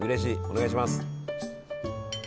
お願いします！